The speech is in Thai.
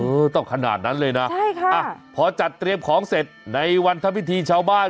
ไม่ต้องขนาดนั้นเลยนะพอจัดเตรียมของเสร็จในวันทางพิธีชาวบ้าน